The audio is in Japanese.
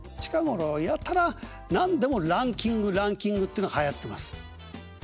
近頃やたら何でもランキングランキングってのがはやってます。